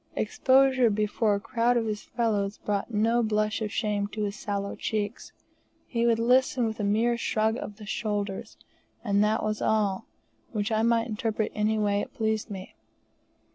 Exposure before a crowd of his fellows brought no blush of shame to his sallow cheeks; he would listen with a mere shrug of the shoulders and that was all, which I might interpret any way it pleased me.